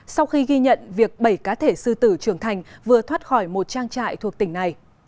sau khi ghi nhận việc bảy cá thể sư tử trưởng thành vừa thoát khỏi một trang trại thuộc tỉnh này